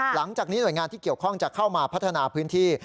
หลังจากนี้หน่วยงานที่เกี่ยวข้องจะเข้ามาพัฒนาพื้นที่